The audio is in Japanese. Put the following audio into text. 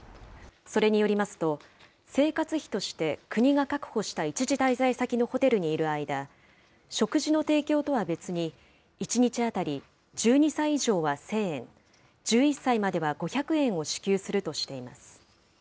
それによりますと、生活費として国が確保した一時滞在先のホテルにいる間、食事の提供とは別に、１日当たり１２歳以上は１０００円、１１歳までは５００円を支給するとしています。